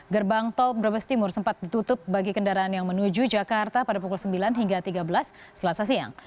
gerbang tol brebes timur sempat ditutup bagi kendaraan yang menuju jakarta pada pukul sembilan hingga tiga belas selasa siang